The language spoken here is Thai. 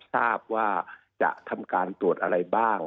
ทราบว่าจะทำการตรวจอะไรบ้าง